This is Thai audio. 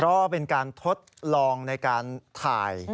เพราะว่าเป็นการทดลองในการถ่าย